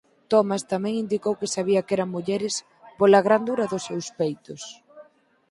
Thomas tamén indicou que sabía que eran mulleres "pola grandura dos seus peitos".